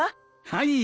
はい。